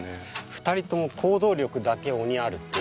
２人とも行動力だけ鬼あるっていう。